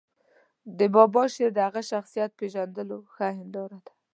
د بابا شعر د هغه شخصیت پېژندلو ښه هنداره ده.